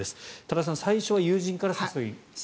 多田さん最初は友人から誘いが。